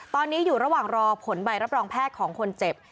ตอนนี้อยู่ระหว่างรอผลใบรับรองแพทย์ของคนเจ็บ